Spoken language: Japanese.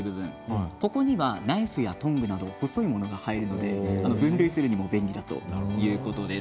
ここにはナイフやトングなど細いものが入るので、移動するのにも便利だということです。